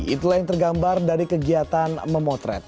itulah yang tergambar dari kegiatan memotret